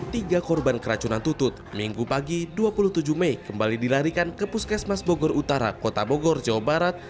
tiga korban keracunan tutut minggu pagi dua puluh tujuh mei kembali dilarikan ke puskesmas bogor utara kota bogor jawa barat